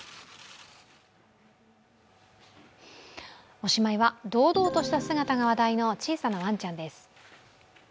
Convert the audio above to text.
おしまいは、堂々とした姿が話題の小さなワンちゃんです。